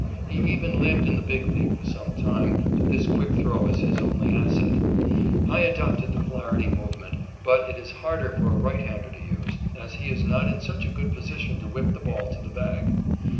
He even lived in the Big League for some time with this quick throw as his only asset. I adopted the Flaherty movement, but it is harder for a right hander to use, as he is not in such a good position to whip the ball to the bag.